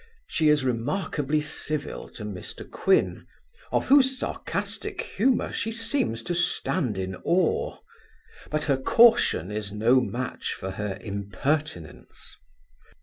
She is remarkably civil to Mr Quin; of whose sarcastic humour she seems to stand in awe; but her caution is no match for her impertinence.